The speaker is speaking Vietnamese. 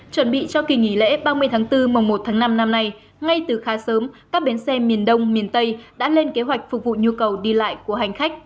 chuẩn bị cho kỳ nghỉ lễ ba mươi tháng bốn mùa một tháng năm năm nay ngay từ khá sớm các bến xe miền đông miền tây đã lên kế hoạch phục vụ nhu cầu đi lại của hành khách